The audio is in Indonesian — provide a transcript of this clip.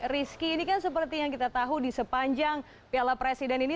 rizky ini kan seperti yang kita tahu di sepanjang piala presiden ini